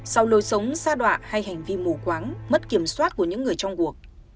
sau lối sống xa đoạ hay hành vi mù quáng mất kiểm soát của những người trong cuộc